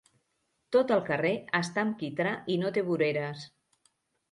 Tot el carrer està amb quitrà i no té voreres.